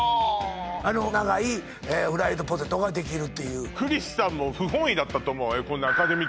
あの長いフライドポテトができるというクリスさんも不本意だったと思うわよ